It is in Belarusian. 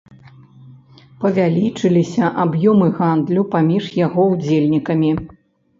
Павялічыліся аб'ёмы гандлю паміж яго ўдзельнікамі.